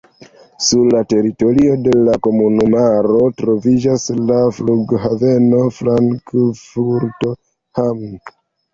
Sur la teritorio de la komunumaro troviĝas la flughaveno Frankfurt-Hahn.